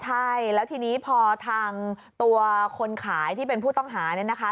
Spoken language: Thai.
ใช่แล้วทีนี้พอทางตัวคนขายที่เป็นผู้ต้องหาเนี่ยนะคะ